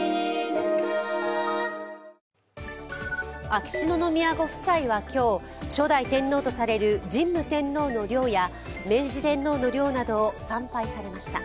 秋篠宮ご夫妻は今日、初代天皇とされる神武天皇の陵や明治天皇の陵などを参拝されました。